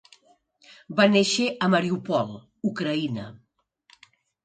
Va néixer a Mariupol, Ucraïna.